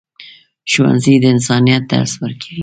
ښوونځی د انسانیت درس ورکوي.